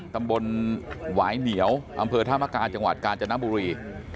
ตำบลหวายเหนียวอำเภอธามกาจังหวัดกาญจนบุรี